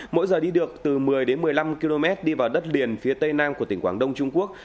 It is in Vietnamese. mỗi giờ đi được từ một mươi đến một mươi năm km đi vào đất liền phía tây nam của tỉnh quảng đông trung quốc